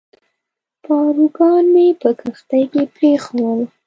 پاروګان مې په کښتۍ کې پرېښوول.